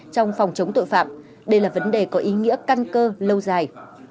trong phòng chống tội phạm đây là vấn đề có ý nghĩa căn cơ lâu dài